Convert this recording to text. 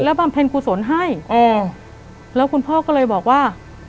บำเพ็ญกุศลให้อ๋อแล้วคุณพ่อก็เลยบอกว่า